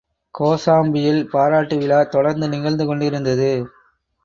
கோசாம்பியில் பாராட்டு விழா தொடர்ந்து நிகழ்ந்து கொண்டிருந்தது.